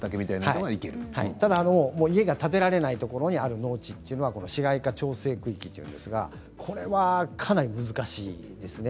ただ家が建てられないところにある農地は市街化調整区域といいますがかなり難しいですね。